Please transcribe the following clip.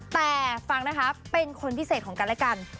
แต่ฟังนะคะเป็นคนพิเศษของกันและกัน